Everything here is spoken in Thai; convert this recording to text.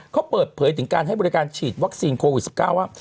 เขาเปิดเผยถึงการให้บริการฉีดวัคซีนโควิด๑๙ว่า